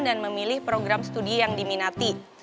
dan memilih program studi yang diminati